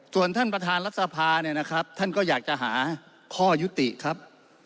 ส่วนท่านประธานรัฐสภาเนี่ยนะครับท่านก็อยากจะหาข้อยุติครับ